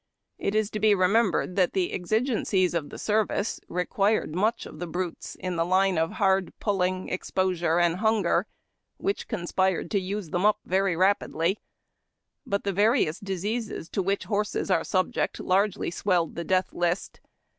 It is to be remembered that the exigencies of the service required much of the brutes in the line of hard pulling, exposure, and hunger, which conspired to use them up very rapidly; but the various diseases to which horses are subject largely swelled the death list.